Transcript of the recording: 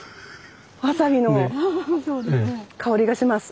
わさびの香りがします。